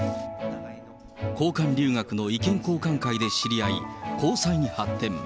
交換留学の意見交換会で知り合い、交際に発展。